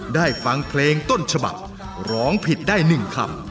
ได้ฟังเพลงต้นฉบับร้องผิดได้หนึ่งคำ